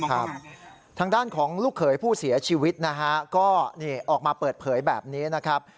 ทางด้านของลูกเขยผู้เสียชีวิตนะฮะก็นี่ออกมาเปิดเผยแบบนี้นะครับ